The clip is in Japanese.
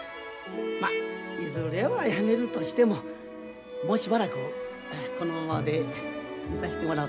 まいずれはやめるとしてももうしばらくこのままでいさしてもらおうかなと。